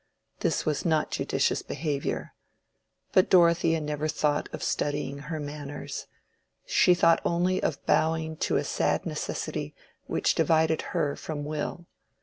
This was not judicious behavior. But Dorothea never thought of studying her manners: she thought only of bowing to a sad necessity which divided her from Will.